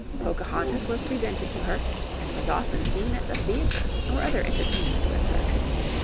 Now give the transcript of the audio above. Pocahontas was presented to her, and was often seen at the theatre or other entertainment with her.